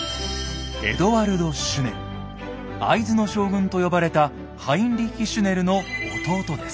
会津の将軍と呼ばれたハインリッヒ・シュネルの弟です。